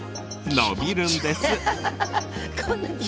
伸びるんです！